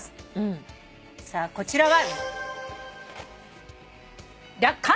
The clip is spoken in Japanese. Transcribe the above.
さあこちらは。